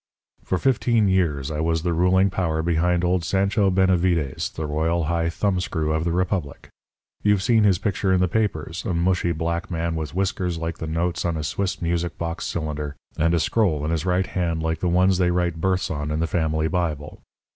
"For fifteen years I was the ruling power behind old Sancho Benavides, the Royal High Thumbscrew of the republic. You've seen his picture in the papers a mushy black man with whiskers like the notes on a Swiss music box cylinder, and a scroll in his right hand like the ones they write births on in the family Bible.